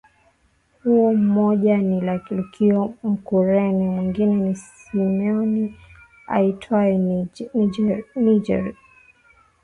huo Mmoja ni Lukio Mkurene Mwingine ni Simeoni aitwaye Nigeri